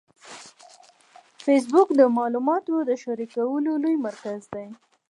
فېسبوک د معلوماتو د شریکولو لوی مرکز دی